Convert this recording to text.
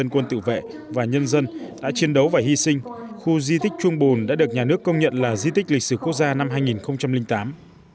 chiến đấu và hy sinh khu di tích trung bồn đã được nhà nước công nhận là di tích lịch sử quốc gia năm hai nghìn tám